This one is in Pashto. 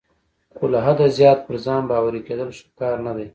خو له حده زیات پر ځان باوري کیدل ښه کار نه دی.